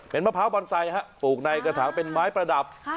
เป็นมะพร้าวบอนไซค์ปลูกในกระถางเป็นไม้ประดับ